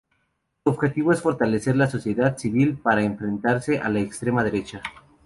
Su objetivo es fortalecer la sociedad civil para enfrentarse a la extrema derecha.